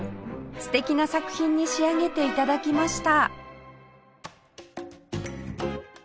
すてきな作品に仕上げて頂きました